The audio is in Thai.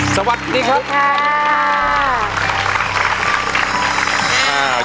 สวัสดีครับ